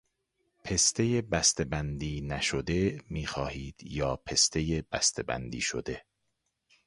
پستهی بستهبندی نشده میخواهید یا بستهبندی شده؟